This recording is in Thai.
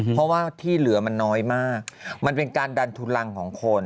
เพราะว่าที่เหลือมันน้อยมากมันเป็นการดันทุลังของคน